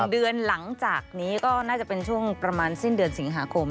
เดือนหลังจากนี้ก็น่าจะเป็นช่วงประมาณสิ้นเดือนสิงหาคม